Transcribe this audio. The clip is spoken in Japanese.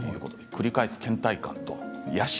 繰り返す、けん怠感と野心